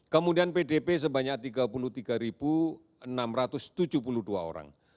kemudian pdp sebanyak tiga puluh tiga enam ratus tujuh puluh dua orang